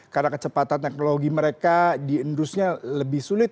karena kecepatan teknologi mereka diendusnya lebih sulit